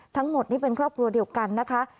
ทั้งหมดนี่เป็นครอบครัวเดียวกันนะคะ